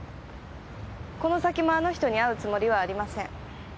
この先もあの人に会うつもりはありません。